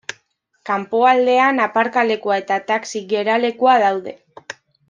Kanpoaldean aparkalekua eta taxi geralekua daude.